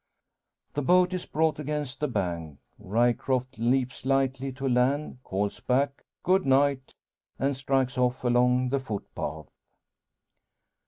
The boat is brought against the bank; Ryecroft leaps lightly to land, calls back "good night," and strikes off along the footpath.